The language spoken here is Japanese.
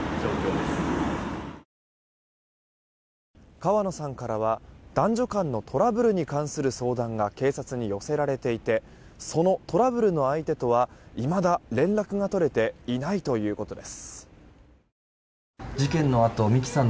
川野さんからは男女間のトラブルに関する相談が警察に寄せられていてそのトラブルの相手とはいまだ連絡が取れていないということです。